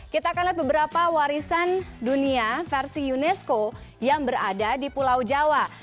kita akan lihat beberapa warisan dunia versi unesco yang berada di pulau jawa